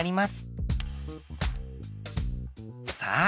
さあ